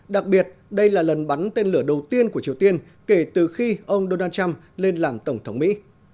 đặc biệt đây là lần bắn tên lửa đầu tiên của triều tiên kể từ khi ông donald trump lên làm tổng thống mỹ